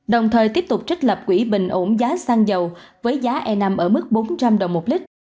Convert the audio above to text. đồng thời tiếp tục trích lập quỹ bình ổn giá xăng dầu với giá e năm ở mức bốn trăm linh đồng một lít